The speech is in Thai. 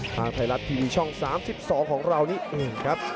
ทางไทยรัฐทีวีช่อง๓๒ของเรานี่เองครับ